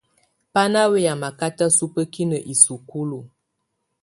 Bá ná wɛyá makátá subǝ́kinǝ isukulu.